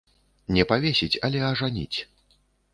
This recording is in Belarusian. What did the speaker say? Не павесіць, але ажаніць.